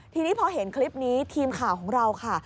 ทีนี้พอเห็นคลิปนี้ทีมข่าวของเราค่ะ